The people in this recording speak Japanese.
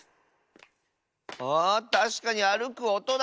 あたしかにあるくおとだ。